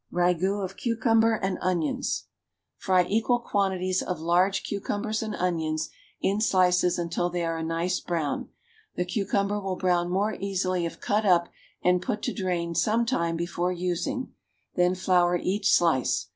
RAGOUT OF CUCUMBER AND ONIONS. Fry equal quantities of large cucumbers and onions in slices until they are a nice brown. The cucumber will brown more easily if cut up and put to drain some time before using; then flour each slice.